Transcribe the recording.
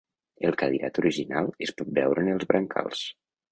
El cadirat original es pot veure en els brancals.